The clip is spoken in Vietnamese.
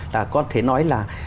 là có thể nói là